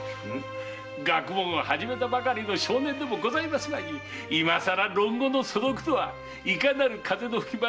学問を始めたばかりの少年でもございますまいに今さら論語の素読とはいかなる風の吹き回しでございます？